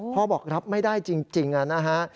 พ่อบอกรับไม่ได้จริงนะฮะ